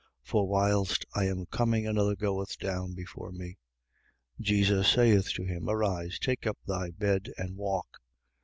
For whilst I am coming, another goeth down before me. 5:8. Jesus saith to him: Arise, take up thy bed and walk.